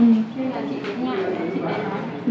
ừ là do chị đấy sợ